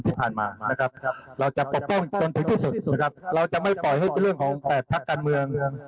ที่ผ่านมาเราจะปกป้องจนทึกที่สุดไม่ปล่อยให้เป็นเรื่องของแผดพรรคการเมือง